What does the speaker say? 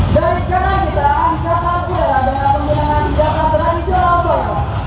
dari kiri kita angkat tangan menggunakan senjata tradisional